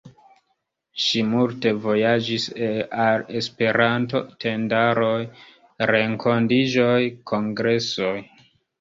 Ŝi multe vojaĝis al Esperanto-tendaroj, renkontiĝoj, kongresoj.